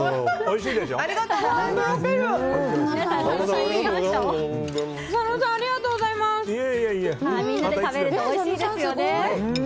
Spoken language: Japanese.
みんなで食べるとおいしいですね。